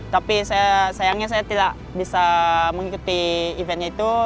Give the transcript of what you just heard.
tapi sayangnya saya tidak bisa mengikuti eventnya itu